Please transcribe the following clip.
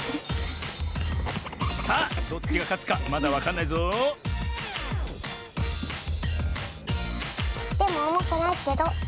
さあどっちがかつかまだわかんないぞでもおもくないけど。